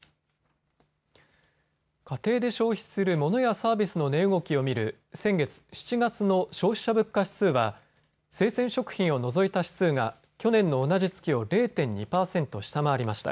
家庭で消費するモノやサービスの値動きを見る先月７月の消費者物価指数は生鮮食品を除いた指数が去年の同じ月を０．２％下回りました。